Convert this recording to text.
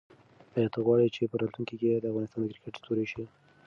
آیا ته غواړې چې په راتلونکي کې د افغانستان د کرکټ ستوری شې؟